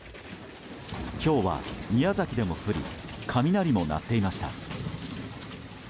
ひょうは宮崎でも降り雷も鳴っていました。